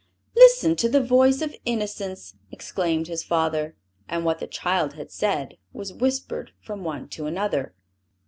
"Listen to the voice of innocence!" exclaimed his father; and what the child had said was whispered from one to another.